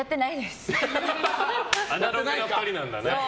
アナログな２人なんだね。